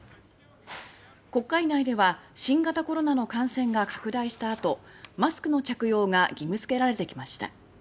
国会内では新型コロナの感染が拡大したあとマスクの着用が義務付けられてきました。